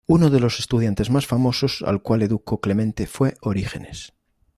Uno de los estudiantes más famosos al cual educó Clemente fue Orígenes.